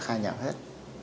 khai nhận hết